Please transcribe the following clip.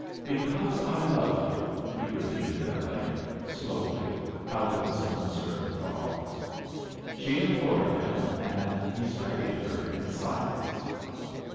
"Because I love you," he repeated at length, slowly, out of his uncertain thoughts. She implored him, and he studied her in silence.